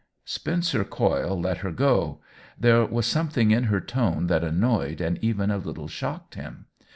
Spencer Coyle let her go ; there was something in her tone that annoyed and even a little shocked him.